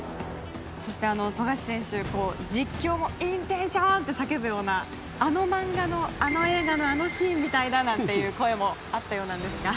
そして、富樫選手実況もインテンション！と叫ぶようなあの漫画の、あの映画のあのシーンみたいだなんていう声もあったようですが。